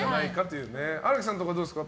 荒木さんとかはどうですか？